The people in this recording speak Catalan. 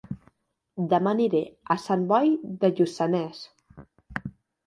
Dema aniré a Sant Boi de Lluçanès